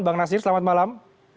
bang nasir selamat malam